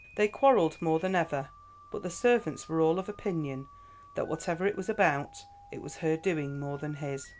"They quarrelled more than ever; but the servants were all of opinion that whatever it was about it was her doing more than his.